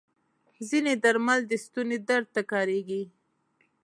ځینې درمل د ستوني درد ته کارېږي.